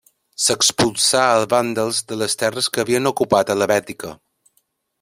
S'expulsà als vàndals de les terres que havien ocupat a la Bètica.